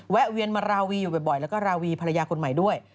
เวียนมาราวีอยู่บ่อยแล้วก็ราวีภรรยาคนใหม่ด้วย